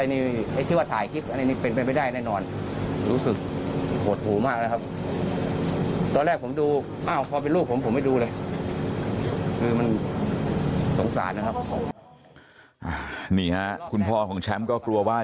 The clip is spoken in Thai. นี่ค่ะคุณพ่อของแชมป์ก็กลัวว่า